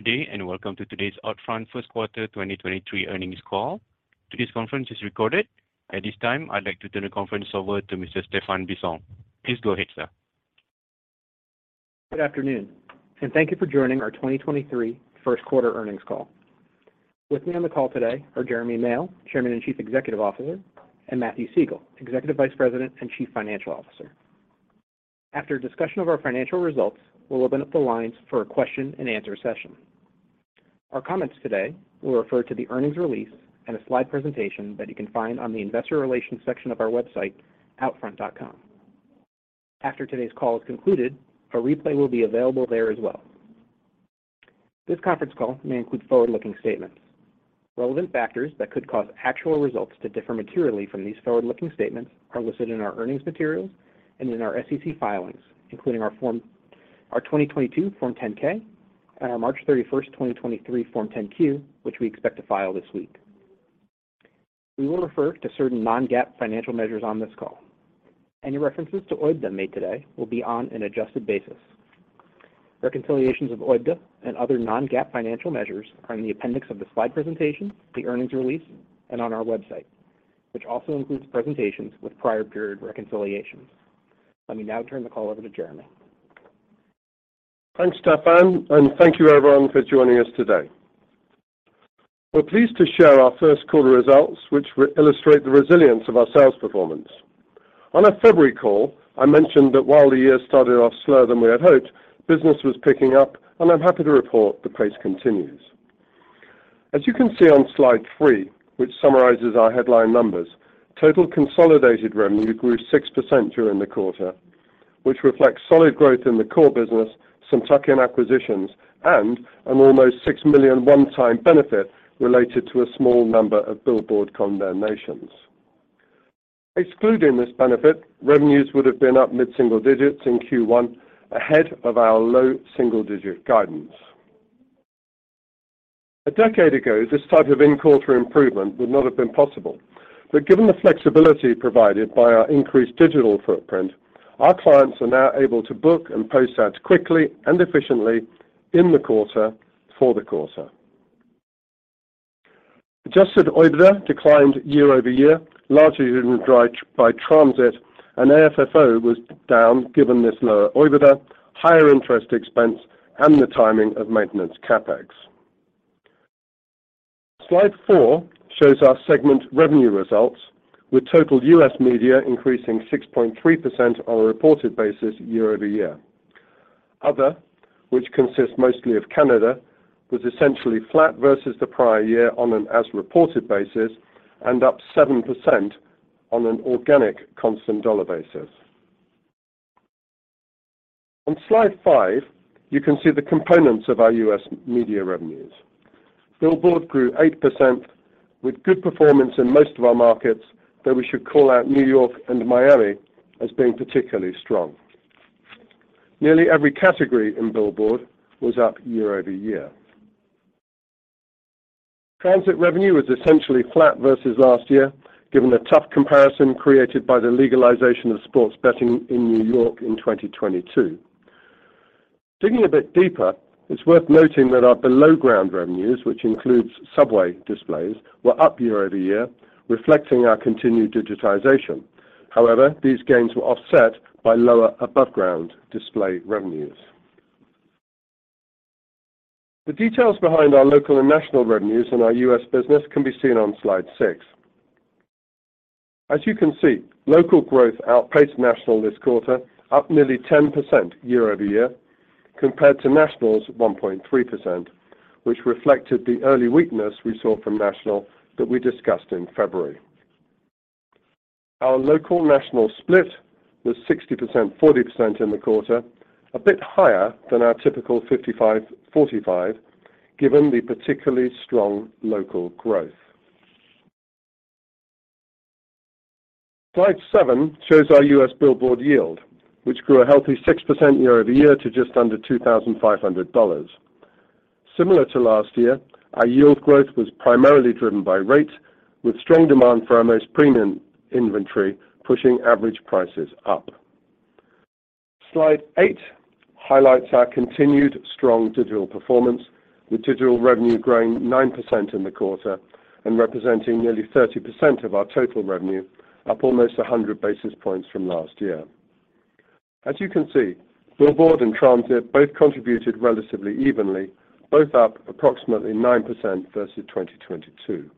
Good day, Welcome to today's OUTFRONT first quarter 2023 earnings call. Today's conference is recorded. At this time, I'd like to turn the conference over to Mr. Stephan Bisson. Please go ahead, sir. Good afternoon, and thank you for joining our 2023 first quarter earnings call. With me on the call today are Jeremy Male, Chairman and Chief Executive Officer, and Matthew Siegel, Executive Vice President and Chief Financial Officer. After a discussion of our financial results, we'll open up the lines for a question-and-answer session. Our comments today will refer to the earnings release and a slide presentation that you can find on the investor relations section of our website, outfront.com. After today's call is concluded, a replay will be available there as well. This conference call may include forward-looking statements. Relevant factors that could cause actual results to differ materially from these forward-looking statements are listed in our earnings materials and in our SEC filings, including our 2022 form 10-K, and our March 31, 2023 form 10-Q, which we expect to file this week. We will refer to certain non-GAAP financial measures on this call. Any references to OIBDA made today will be on an adjusted basis. Reconciliations of OIBDA and other non-GAAP financial measures are in the appendix of the slide presentation, the earnings release, and on our website, which also includes presentations with prior period reconciliations. Let me now turn the call over to Jeremy. Thanks, Stephan, thank you everyone for joining us today. We're pleased to share our first quarter results, which will illustrate the resilience of our sales performance. On our February call, I mentioned that while the year started off slower than we had hoped, business was picking up, and I'm happy to report the pace continues. As you can see on slide three, which summarizes our headline numbers, total consolidated revenue grew 6% during the quarter, which reflects solid growth in the core business, some tuck-in acquisitions, and an almost $6 million one-time benefit related to a small number of billboard condemnations. Excluding this benefit, revenues would have been up mid-single digits in Q1 ahead of our low single-digit guidance. A decade ago, this type of in-quarter improvement would not have been possible. Given the flexibility provided by our increased digital footprint, our clients are now able to book and post ads quickly and efficiently in the quarter for the quarter. Adjusted OIBDA declined year-over-year, largely driven dry by transit, and AFFO was down given this lower OIBDA, higher interest expense, and the timing of maintenance CapEx. Slide four shows our segment revenue results, with total U.S. media increasing 6.3% on a reported basis year-over-year. Other, which consists mostly of Canada, was essentially flat versus the prior year on an as reported basis and up 7% on an organic constant dollar basis. On slide five, you can see the components of our U.S. media revenues. Billboard grew 8% with good performance in most of our markets, though we should call out New York and Miami as being particularly strong. Nearly every category in billboard was up year-over-year. Transit revenue was essentially flat versus last year, given the tough comparison created by the legalization of sports betting in New York in 2022. Digging a bit deeper, it's worth noting that our below-ground revenues, which includes subway displays, were up year-over-year, reflecting our continued digitization. However, these gains were offset by lower above ground display revenues. The details behind our local and national revenues in our U.S. business can be seen on slide 6. As you can see, local growth outpaced national this quarter, up nearly 10% year-over-year, compared to national's 1.3%, which reflected the early weakness we saw from national that we discussed in February. Our local national split was 60/40 in the quarter, a bit higher than our typical 55/45, given the particularly strong local growth. Slide seven shows our U.S. billboard yield, which grew a healthy 6% year-over-year to just under $2,500. Similar to last year, our yield growth was primarily driven by rate, with strong demand for our most premium inventory, pushing average prices up. Slide 8 highlights our continued strong digital performance, with digital revenue growing 9% in the quarter and representing nearly 30% of our total revenue, up almost 100 basis points from last year. As you can see, billboard and transit both contributed relatively evenly, both up approximately 9% versus 2022.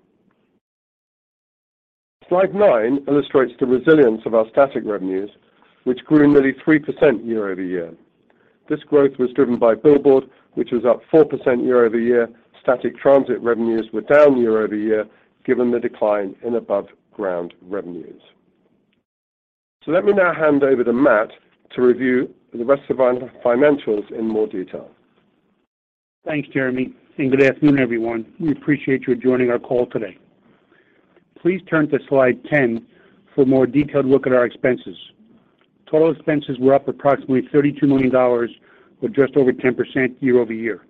Slide nine illustrates the resilience of our static revenues, which grew nearly 3% year-over-year. This growth was driven by billboard, which was up 4% year-over-year. Static transit revenues were down year-over-year, given the decline in aboveground revenues. Let me now hand over to Matt to review the rest of our financials in more detail. Thanks, Jeremy, and good afternoon, everyone. We appreciate you joining our call today. Please turn to slide 10 for a more detailed look at our expenses. Total expenses were up approximately $32 million, or just over 10% year-over-year.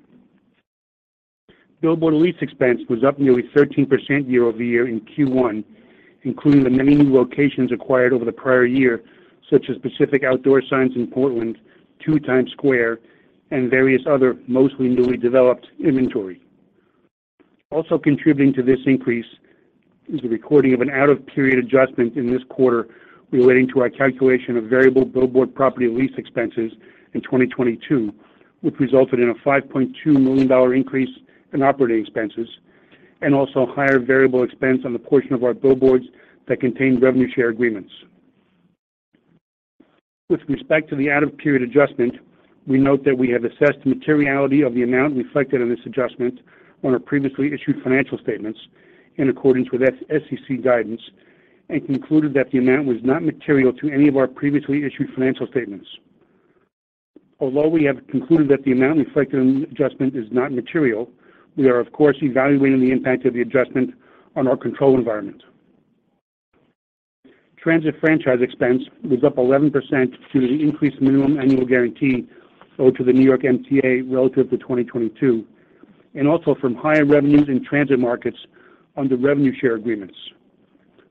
Billboard lease expense was up nearly 13% year-over-year in Q1, including the many new locations acquired over the prior year, such as Pacific Outdoor Advertising in Portland, two Times Square, and various other mostly newly developed inventory. Also contributing to this increase is the recording of an out of period adjustment in this quarter relating to our calculation of variable billboard property lease expenses in 2022, which resulted in a $5.2 million increase in operating expenses and also higher variable expense on the portion of our billboards that contain revenue share agreements. With respect to the out of period adjustment, we note that we have assessed the materiality of the amount reflected in this adjustment on our previously issued financial statements in accordance with SEC guidance and concluded that the amount was not material to any of our previously issued financial statements. Although we have concluded that the amount reflected in the adjustment is not material, we are of course evaluating the impact of the adjustment on our control environment. Transit franchise expense was up 11% due to the increased minimum annual guarantee owed to the New York MTA relative to 2022, and also from higher revenues in transit markets under revenue share agreements.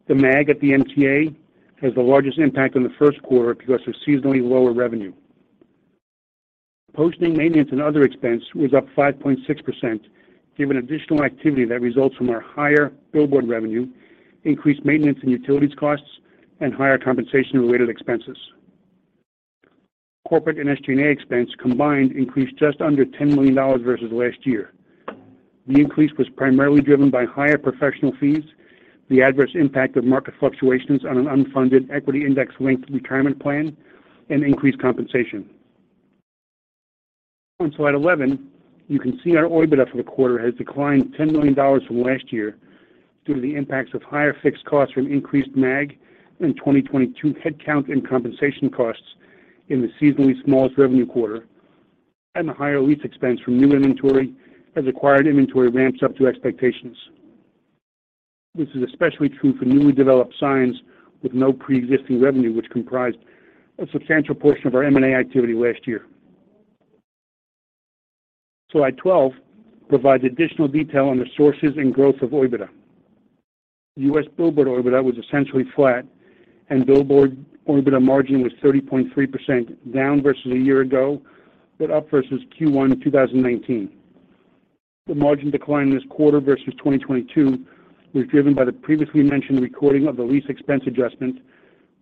The MAG at the MTA has the largest impact on the first quarter because of seasonally lower revenue. Posting maintenance and other expense was up 5.6% given additional activity that results from our higher billboard revenue, increased maintenance and utilities costs, and higher compensation related expenses. Corporate and SG&A expense combined increased just under $10 million versus last year. The increase was primarily driven by higher professional fees, the adverse impact of market fluctuations on an unfunded equity index linked retirement plan, and increased compensation. Slide 11, you can see our OIBDA for the quarter has declined $10 million from last year due to the impacts of higher fixed costs from increased MAG and 2022 headcount and compensation costs in the seasonally smallest revenue quarter and the higher lease expense from new inventory as acquired inventory ramps up to expectations. This is especially true for newly developed signs with no pre-existing revenue, which comprised a substantial portion of our M&A activity last year. Slide 12 provides additional detail on the sources and growth of OIBDA. U.S. billboard OIBDA was essentially flat and billboard OIBDA margin was 30.3% down versus a year ago, but up versus Q1 2019. The margin decline this quarter versus 2022 was driven by the previously mentioned recording of the lease expense adjustment,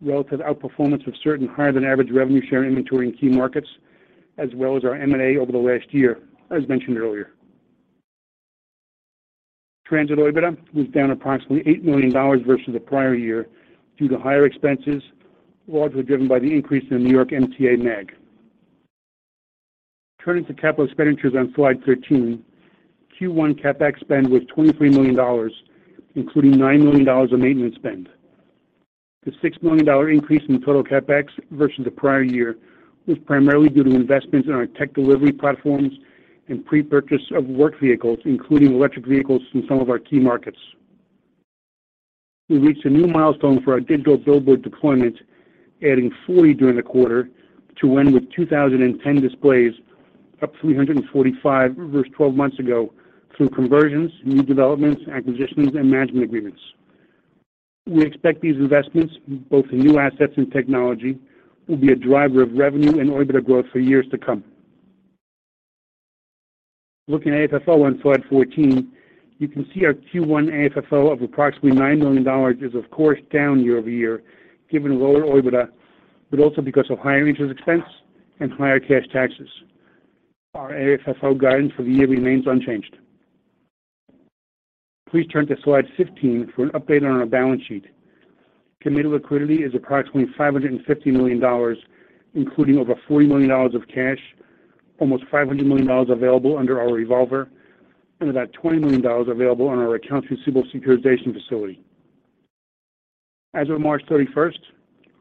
relative outperformance of certain higher than average revenue share inventory in key markets, as well as our M&A over the last year, as mentioned earlier. Transit OIBDA was down approximately $8 million versus the prior year due to higher expenses, largely driven by the increase in New York MTA MAG. Turning to capital expenditures on slide 13, Q1 CapEx spend was $23 million, including $9 million of maintenance spend. The $6 million increase in total CapEx versus the prior year was primarily due to investments in our tech delivery platforms and pre-purchase of work vehicles, including electric vehicles in some of our key markets. We reached a new milestone for our digital billboard deployment, adding 40 during the quarter to end with 2,010 displays, up 345 versus 12 months ago through conversions, new developments, acquisitions and management agreements. We expect these investments, both in new assets and technology, will be a driver of revenue and OIBDA growth for years to come. Looking at AFFO on slide 14, you can see our Q1 AFFO of approximately $9 million is of course down year-over-year given lower OIBDA, but also because of higher interest expense and higher cash taxes. Our AFFO guidance for the year remains unchanged. Please turn to slide 15 for an update on our balance sheet. Committed liquidity is approximately $550 million, including over $40 million of cash, almost $500 million available under our revolver, and about $20 million available on our accounts receivable securitization facility. As of March 31st,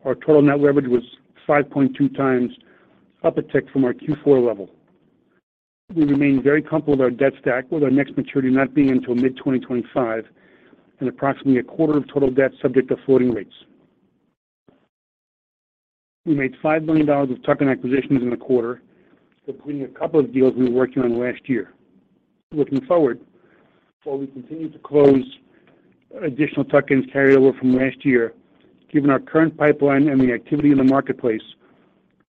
our total net leverage was 5.2 times up a tick from our Q4 level. We remain very comfortable with our debt stack, with our next maturity not being until mid-2025 and approximately a quarter of total debt subject to floating rates. We made $5 million of tuck-in acquisitions in the quarter, completing a couple of deals we were working on last year. Looking forward, while we continue to close additional tuck-ins carryover from last year, given our current pipeline and the activity in the marketplace,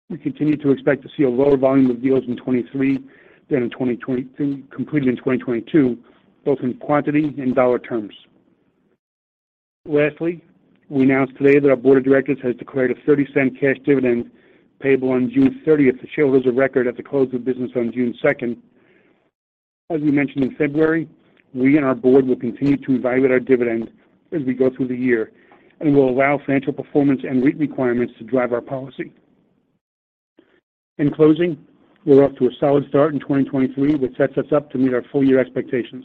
we continue to expect to see a lower volume of deals in 2023 than completed in 2022, both in quantity and dollar terms. Lastly, we announced today that our board of directors has declared a $0.30 cash dividend payable on June 30th to shareholders of record at the close of business on June 2nd. As we mentioned in February, we and our board will continue to evaluate our dividend as we go through the year and will allow financial performance and rate requirements to drive our policy. In closing, we're off to a solid start in 2023, which sets us up to meet our full year expectations.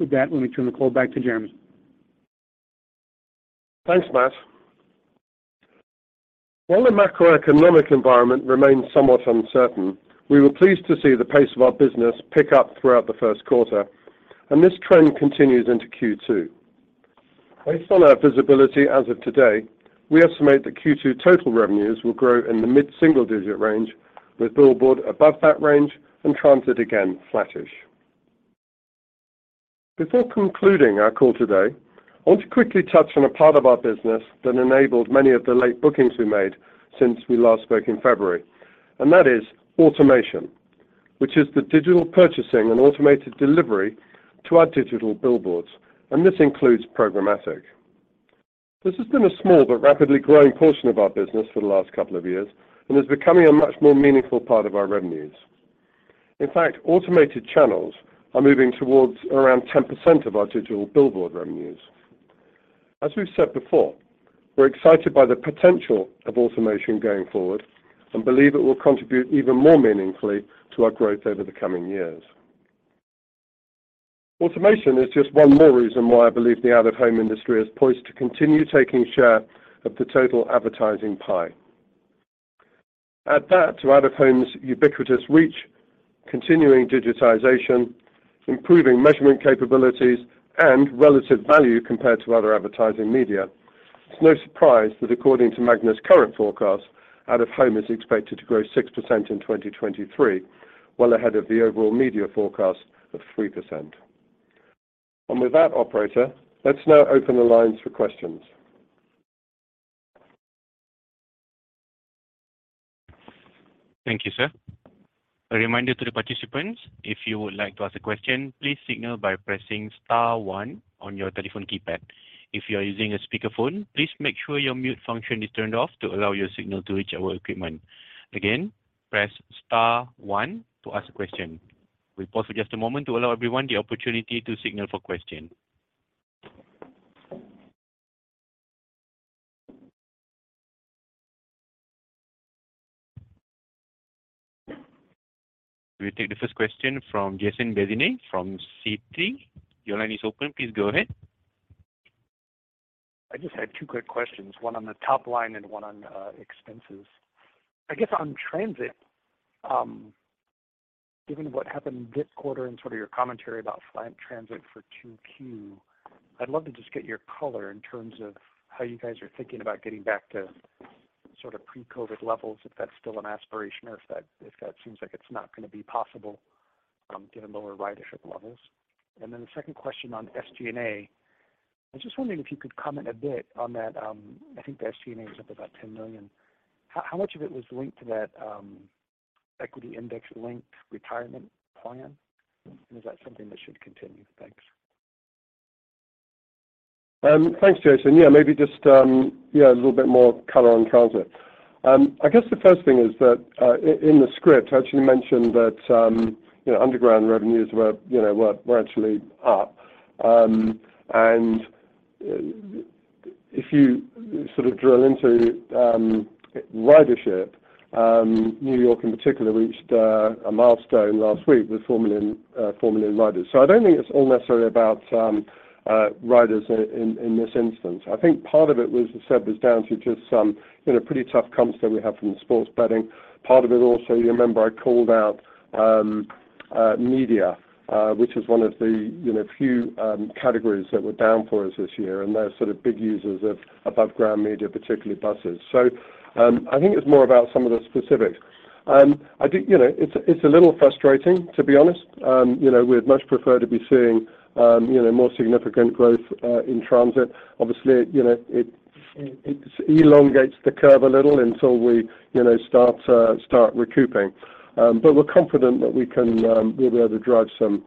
With that, let me turn the call back to Jeremy. Thanks, Matt. While the macroeconomic environment remains somewhat uncertain, we were pleased to see the pace of our business pick up throughout the first quarter, and this trend continues into Q2. Based on our visibility as of today, we estimate that Q2 total revenues will grow in the mid-single digit range, with billboard above that range and transit again flattish. Before concluding our call today, I want to quickly touch on a part of our business that enabled many of the late bookings we made since we last spoke in February, and that is automation, which is the digital purchasing and automated delivery to our digital billboards, and this includes programmatic. This has been a small but rapidly growing portion of our business for the last couple of years and is becoming a much more meaningful part of our revenues. In fact, automated channels are moving towards around 10% of our digital billboard revenues. As we've said before, we're excited by the potential of automation going forward and believe it will contribute even more meaningfully to our growth over the coming years. Automation is just one more reason why I believe the out-of-home industry is poised to continue taking share of the total advertising pie. That to out-of-home's ubiquitous reach, continuing digitization, improving measurement capabilities, and relative value compared to other advertising media. It's no surprise that according to MAGNA's current forecast, out-of-home is expected to grow 6% in 2023, well ahead of the overall media forecast of 3%. With that operator, let's now open the lines for questions. Thank you, sir. A reminder to the participants, if you would like to ask a question, please signal by pressing star one on your telephone keypad. If you are using a speakerphone, please make sure your mute function is turned off to allow your signal to reach our equipment. Again, press star one to ask a question. We pause for just a moment to allow everyone the opportunity to signal for question. We take the first question from Jason Bazinet from Citi. Your line is open. Please go ahead. I just had two quick questions, one on the top line and one on expenses. I guess on transit, given what happened this quarter and sort of your commentary about flat transit for 2Q, I'd love to just get your color in terms of how you guys are thinking about getting back to sort of pre-COVID levels, if that's still an aspiration or if that seems like it's not going to be possible, given lower ridership levels. The second question on SG&A. I was just wondering if you could comment a bit on that, I think the SG&A is up about $10 million. How much of it was linked to that equity index linked retirement plan? Is that something that should continue? Thanks. Thanks, Jason. Yeah, maybe just a little bit more color on transit. I guess the first thing is that in the script, I actually mentioned that, you know, underground revenues were, you know, were actually up. If you sort of drill into ridership, New York in particular reached a milestone last week with 4 million, 4 million riders. I don't think it's all necessarily about riders in this instance. I think part of it was, as I said, was down to just some, you know, pretty tough comps that we have from the sports betting. Part of it also, you remember I called out media, which is one of the, you know, few categories that were down for us this year, and they're sort of big users of above-ground media, particularly buses. I think it's more about some of the specifics. I think, you know, it's a little frustrating, to be honest. You know, we'd much prefer to be seeing, you know, more significant growth in transit. Obviously, you know, it elongates the curve a little until we, you know, start recouping. We're confident that we can, we'll be able to drive some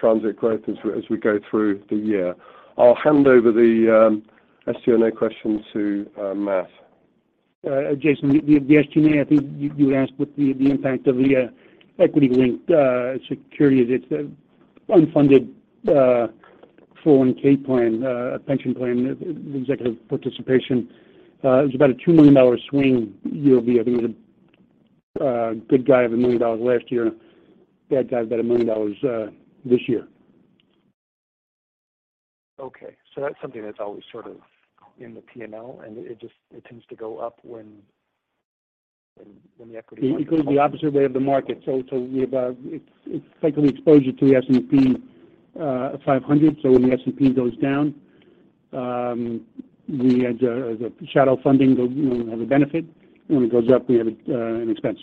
transit growth as we go through the year. I'll hand over the SG&A question to Matt. Jason, the SG&A, I think you asked what the impact of the equity linked security is. It's an unfunded 401(k) plan, a pension plan, the executive participation. It was about a $2 million swing year-over-year. I think it was a good guy of $1 million last year and a bad guy of about $1 million this year. That's something that's always sort of in the P&L, and it tends to go up when the equity... It could be the opposite way of the market. We have it's likely exposure to the S&P 500. When the S&P goes down, we as a shadow funding go, you know, have a benefit. When it goes up, we have an expense.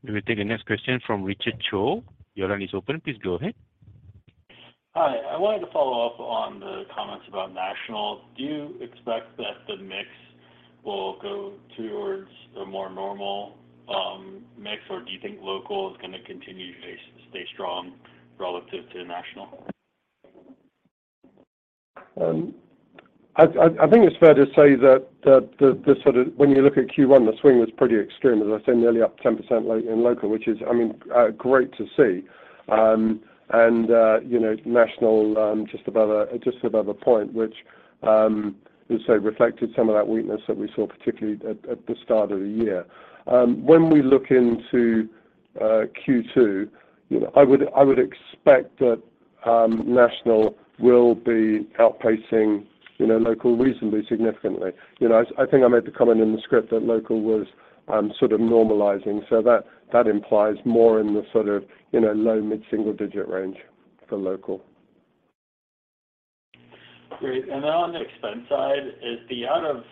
Okay. Thank you. We will take the next question from Richard Choe. Your line is open. Please go ahead. Hi. I wanted to follow up on the comments about national. Do you expect that the mix will go towards a more normal mix, or do you think local is going to continue to stay strong relative to national? I think it's fair to say that the sort of when you look at Q1, the swing was pretty extreme, as I said, nearly up 10% in local, which is, I mean, great to see. You know, national just above a point which, as I say, reflected some of that weakness that we saw particularly at the start of the year. When we look into Q2, you know, I would expect that national will be outpacing, you know, local reasonably significantly. You know, I think I made the comment in the script that local was sort of normalizing so that implies more in the sort of, you know, low mid-single digit range for local. Great. On the expense side, is the out of,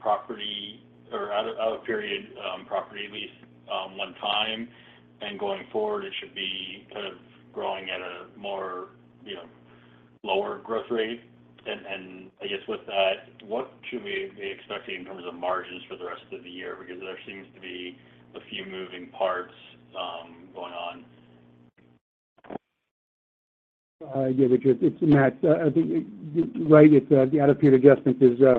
property or out of period, property lease, one time and going forward it should be kind of growing at a more, you know, lower growth rate? I guess with that, what should we be expecting in terms of margins for the rest of the year? There seems to be a few moving parts, going on. Yeah, Richard Choe, it's Matt. I think Right, it's the out of period adjustment is, you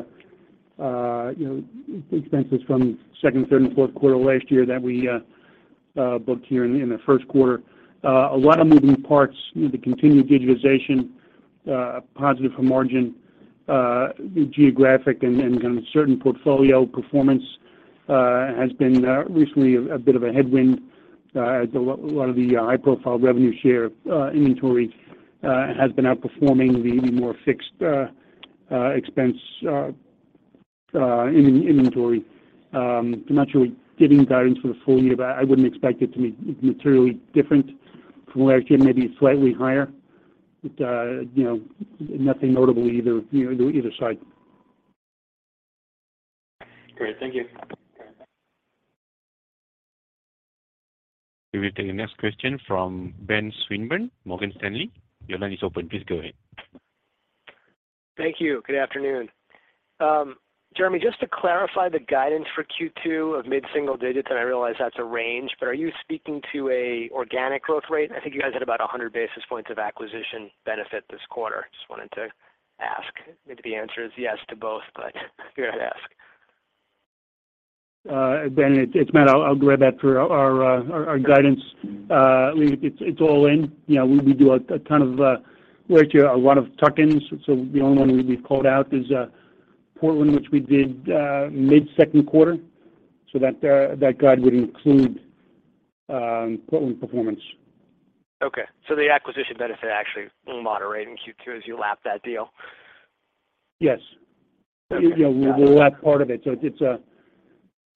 know, expenses from second, third, and fourth quarter of last year that we booked here in the first quarter. A lot of moving parts. The continued digitization, positive for margin. Geographic and certain portfolio performance has been recently a bit of a headwind. A lot of the high profile revenue share inventory has been outperforming the more fixed expense inventory. I'm not really giving guidance for the full year, but I wouldn't expect it to be materially different from last year, maybe slightly higher. You know, nothing notable either, you know, either side. Great. Thank you. We will take the next question from Ben Swinburne, Morgan Stanley. Your line is open. Please go ahead. Thank you. Good afternoon. Jeremy, just to clarify the guidance for Q-two of mid-single digits, I realize that's a range, but are you speaking to a organic growth rate? I think you guys had about 100 basis points of acquisition benefit this quarter. Just wanted to ask. Maybe the answer is yes to both, but figured I'd ask. Ben, it's Matt. I'll grab that for our guidance. I believe it's all in. You know, we do a ton of work here, a lot of tuck-ins. The only one we've called out is Portland, which we did mid-second quarter. That guide would include Portland performance. Okay. The acquisition benefit actually will moderate in Q-two as you lap that deal? Yes. Okay. Got it. You know, we'll lap part of it. It's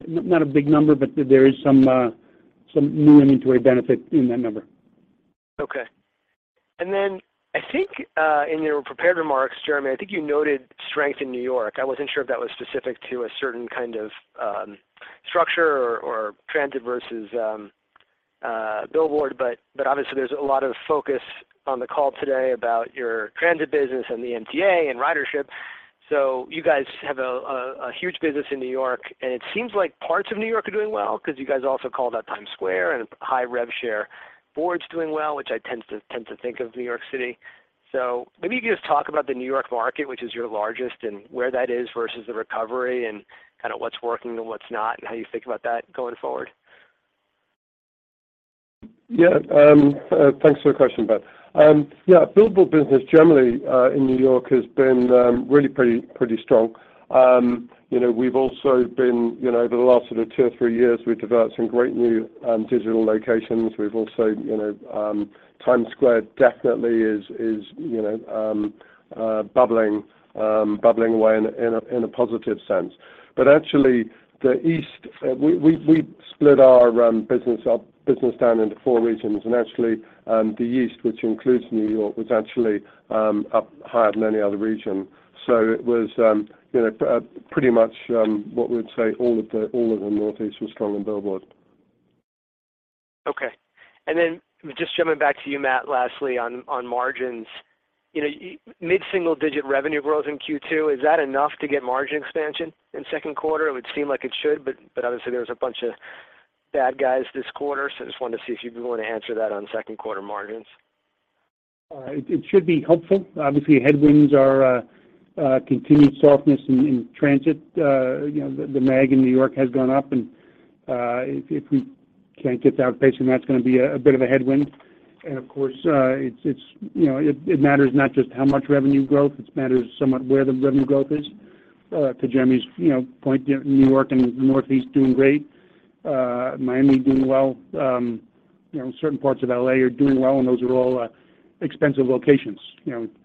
Not a big number, but there is some some new inventory benefit in that number. I think, in your prepared remarks, Jeremy, I think you noted strength in New York. I wasn't sure if that was specific to a certain kind of structure or transit versus billboard. Obviously there's a lot of focus on the call today about your transit business and the MTA and ridership. You guys have a huge business in New York, and it seems like parts of New York are doing well because you guys also called out Times Square and high rev share boards doing well, which I tend to think of New York City. Maybe you can just talk about the New York market, which is your largest, and where that is versus the recovery and kind of what's working and what's not, and how you think about that going forward. Yeah. Thanks for the question, Ben. Yeah, billboard business generally in New York has been really pretty strong. You know, we've also been, you know, over the last sort of two or three years, we developed some great new digital locations. We've also, you know, Times Square definitely is, you know, bubbling away in a, in a, in a positive sense. Actually, the East. We split our business down into 4 regions. Actually, the East, which includes New York, was actually up higher than any other region. It was, you know, pretty much what we'd say all of the Northeast was strong in billboard. Just jumping back to you, Matt, lastly on margins. You know, mid-single digit revenue growth in Q2, is that enough to get margin expansion in second quarter? It would seem like it should, but obviously there's a bunch of bad guys this quarter. Just wanted to see if you'd be willing to answer that on second quarter margins. It, it should be helpful. Obviously, headwinds are continued softness in transit. The MAG in New York has gone up, and if we can't get the out pacing, that's gonna be a bit of a headwind. Of course, it's, it matters not just how much revenue growth, it matters somewhat where the revenue growth is. To Jeremy's point, New York and northeast doing great, Miami doing well. Certain parts of L.A. are doing well, and those are all expensive locations. Friends out there,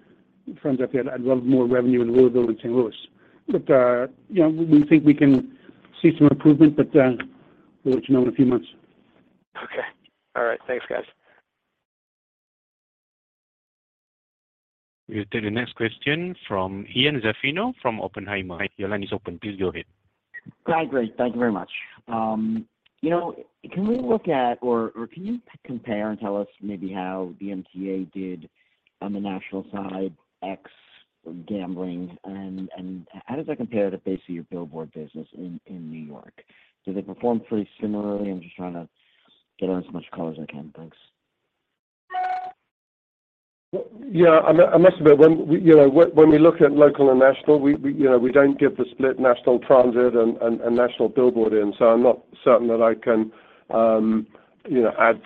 I'd love more revenue in Louisville and St. Louis. You know, we think we can see some improvement, but we'll let you know in a few months. Okay. All right. Thanks, guys. We'll take the next question from Ian Zaffino from Oppenheimer. Your line is open. Please go ahead. Great. Thank you very much. you know, can we look at or can you compare and tell us maybe how the MTA did on the national side, ex gambling. How does that compare to basically your billboard business in New York? Do they perform pretty similarly? I'm just trying to get as much color as I can. Thanks. Yeah. I must admit, when we, you know, when we look at local and national, we, you know, we don't give the split national transit and national billboard in. I'm not certain that I can, you know, add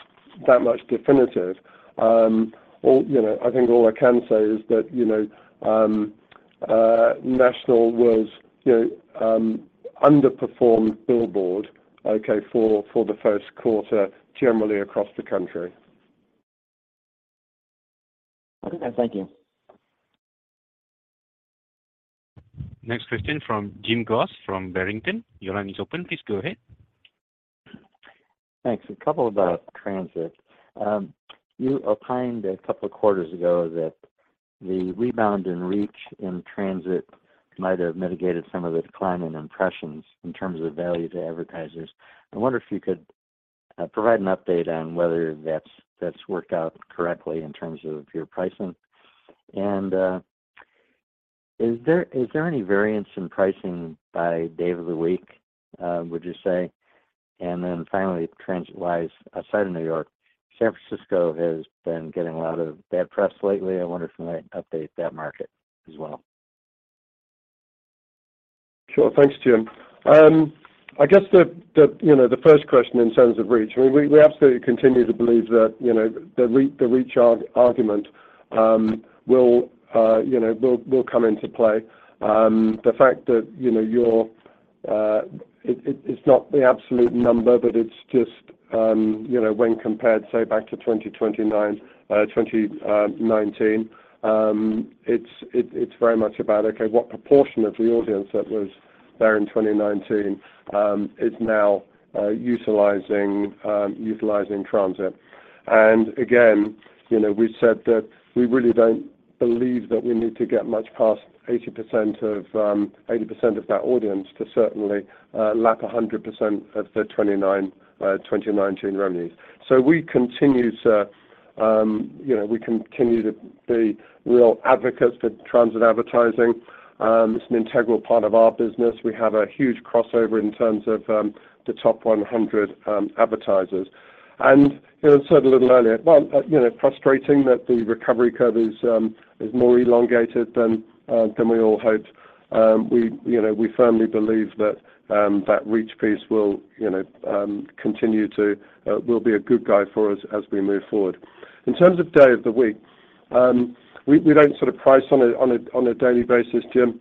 that much definitive. All, you know, I think all I can say is that, you know, national was, you know, underperformed billboard, okay, for the first quarter generally across the country. Okay, thank you. Next question from Jim Goss from Barrington. Your line is open. Please go ahead. Thanks. A couple about transit. You opined a couple of quarters ago that the rebound in reach in transit might have mitigated some of the decline in impressions in terms of value to advertisers. I wonder if you could provide an update on whether that's worked out correctly in terms of your pricing. Is there any variance in pricing by day of the week, would you say? Finally, transit-wise, outside of New York, San Francisco has been getting a lot of bad press lately. I wonder if you might update that market as well. Sure. Thanks, Jim. I guess the, you know, the first question in terms of reach, we absolutely continue to believe that, you know, the reach argument will, you know, come into play. The fact that, you know, you're, it's not the absolute number, but it's just, you know, when compared, say, back to 2019, it's very much about, okay, what proportion of the audience that was there in 2019, is now utilizing transit. Again, you know, we said that we really don't believe that we need to get much past 80% of 80% of that audience to certainly lap 100% of the 2019 revenues. We continue to, you know, we continue to be real advocates for transit advertising. It's an integral part of our business. We have a huge crossover in terms of the top 100 advertisers. You know, I said a little earlier, while, you know, frustrating that the recovery curve is more elongated than we all hoped, we, you know, we firmly believe that reach piece will, you know, continue to be a good guide for us as we move forward. In terms of day of the week, we don't sort of price on a daily basis, Jim.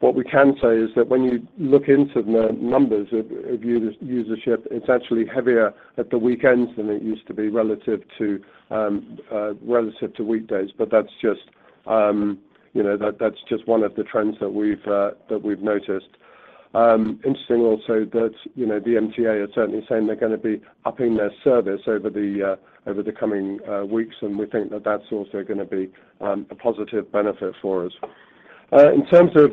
What we can say is that when you look into the numbers of usership, it's actually heavier at the weekends than it used to be relative to relative to weekdays. That's just, you know, that's just one of the trends that we've that we've noticed. Interesting also that, you know, the MTA is certainly saying they're gonna be upping their service over the over the coming weeks, and we think that that's also gonna be a positive benefit for us. In terms of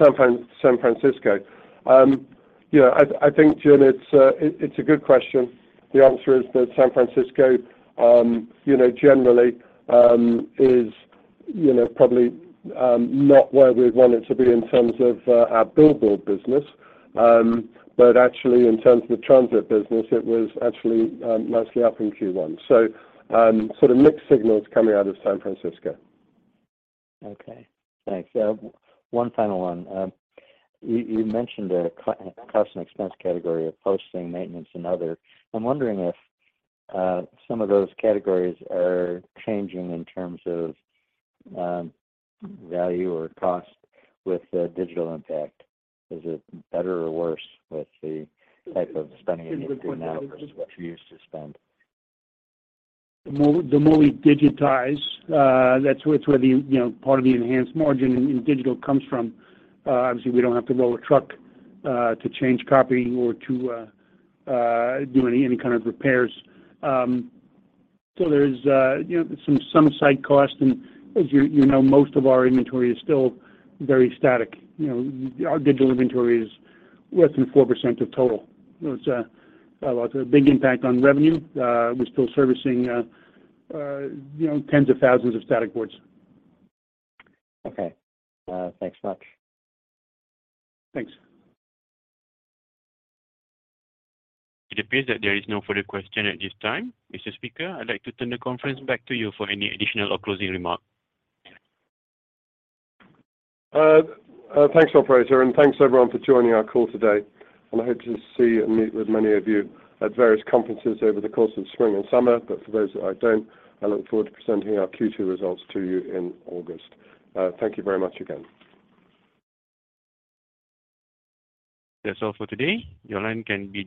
San Francisco, you know, I think, Jim, it's a good question. The answer is that San Francisco, you know, generally, is, you know, probably, not where we'd want it to be in terms of our billboard business. Actually in terms of the transit business, it was actually, mostly up in Q1. Sort of mixed signals coming out of San Francisco. Okay. Thanks. One final one. You mentioned a cost and expense category of posting, maintenance, and other. I'm wondering if some of those categories are changing in terms of value or cost with the digital impact. Is it better or worse with the type of spending that you're doing now versus what you used to spend? The more we digitize, that's where the, you know, part of the enhanced margin in digital comes from. Obviously we don't have to roll a truck to change copy or to do any kind of repairs. There's, you know, some site cost and as you know, most of our inventory is still very static. You know, our digital inventory is less than 4% of total. It's a big impact on revenue. We're still servicing, you know, tens of thousands of static boards. Okay. thanks much. Thanks. It appears that there is no further question at this time. Mr. Speaker, I'd like to turn the conference back to you for any additional or closing remarks. Thanks operator, thanks everyone for joining our call today. I hope to see and meet with many of you at various conferences over the course of spring and summer. For those that I don't, I look forward to presenting our Q2 results to you in August. Thank you very much again. That's all for today. Your line can be.